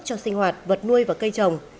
cho sinh hoạt vật nuôi và cây trồng